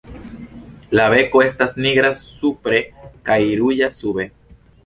La beko estas nigra supre kaj ruĝa sube.